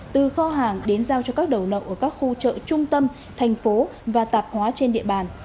từ kho hàng đến giao cho các đầu nậu ở các khu chợ trung tâm thành phố và tạp hóa trên địa bàn